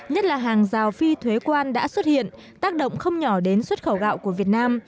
nhất là hàng rào phi thuế quan đã xuất hiện tác động không nhỏ đến xuất khẩu gạo của việt nam